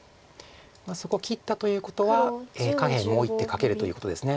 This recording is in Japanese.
そこ切ったということは下辺もう一手かけるということです。